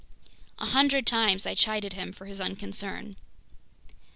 A hundred times I chided him for his unconcern.